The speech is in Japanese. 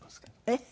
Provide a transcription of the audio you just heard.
えっ？